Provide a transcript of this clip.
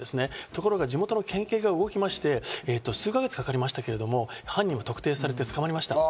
ところが、地元の県警が動きまして、数か月かかりましたけど、犯人は特定されて捕まりました。